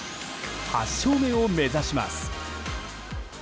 ８勝目を目指します。